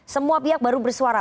semua pihak baru bersuara